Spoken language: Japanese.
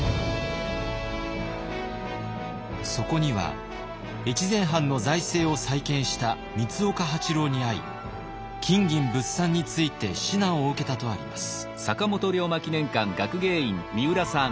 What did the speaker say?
そこには越前藩の財政を再建した三岡八郎に会い金銀物産について指南を受けたとあります。